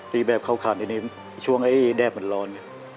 ตีแบบเข้าขันทีนี้ช่วงไอ้แดบมันร้อน